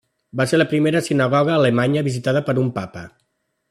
Va ser la primera sinagoga a Alemanya visitada per un Papa.